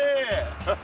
ハハハ。